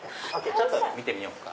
ちょっと見てみようか。